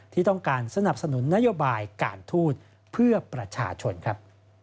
ที่ต้องการสนับสนุนนโยบายการทูตเพื่อประชาชนครับ